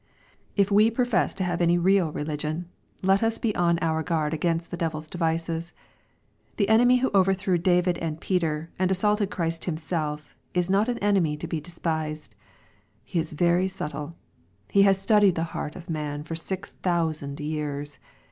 If we profess to have any real religion, let us he on our guard against the devil's devices. The enemy who overthrew David and Peter, and assaulted Christ Himself, is not an enemy to be despised. He is very subtle. He has studied the heart of man for six thousand years.